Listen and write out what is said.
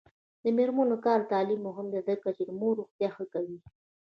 د میرمنو کار او تعلیم مهم دی ځکه چې مور روغتیا ښه کوي.